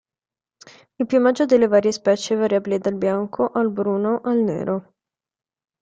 Il piumaggio delle varie specie è variabile dal bianco, al bruno, al nero.